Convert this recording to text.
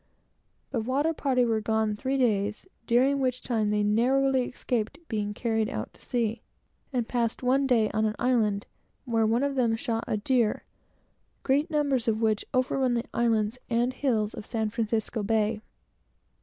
The water party were gone three days, during which time they narrowly escaped being carried out to sea, and passed one day on an island, where one of them shot a deer, great numbers of which overrun the islands and hills of San Francisco Bay.